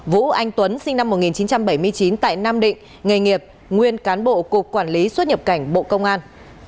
vũ anh tuấn sinh năm một nghìn chín trăm bảy mươi chín tại nam định nghề nghiệp nguyên cán bộ cục quản lý xuất nhập cảnh bộ công an